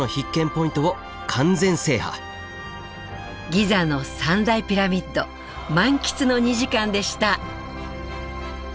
ギザの３大ピラミッド満喫の２時間でした！